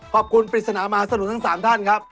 ขอบคุณปริศนามหาสนุนทั้งสามท่านครับ